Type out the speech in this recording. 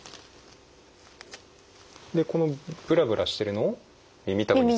でこのブラブラしてるのを耳たぶにつける？